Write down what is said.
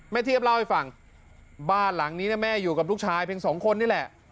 เทียบเล่าให้ฟังบ้านหลังนี้แม่อยู่กับลูกชายเพียงสองคนนี่แหละ